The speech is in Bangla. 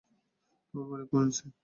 তোমার বাড়ি কুইনসে।